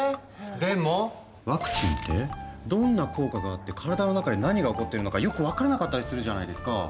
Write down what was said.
でもワクチンってどんな効果があって体の中で何が起こってるのかよく分からなかったりするじゃないですか。